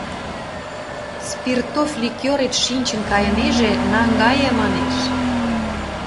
Спиртов Ликёрет шинчын кайынеже, наҥгае, манеш.